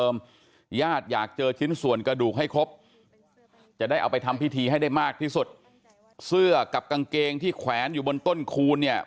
มากที่สุดเสื้อกับกางเกงที่แขวนอยู่บนต้นคูนเนี่ย